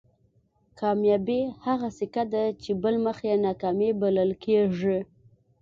کامیابي هغه سکه ده چې بل مخ یې ناکامي بلل کېږي.